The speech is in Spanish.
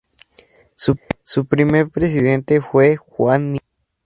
Su primer presidente fue Juan Nicho.